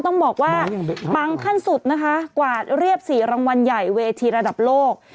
ต้องบอกว่าปังขั้นสุดนะคะกวาดเรียบ๔รางวัลใหญ่เวทีระดับโลก